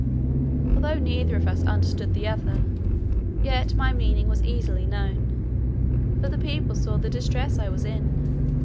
Although neither of us understood the other, yet my meaning was easily known, for the people saw the distress I was in.